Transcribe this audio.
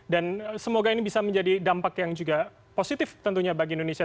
dan semoga ini bisa menjadi dampak yang juga positif tentunya bagi indonesia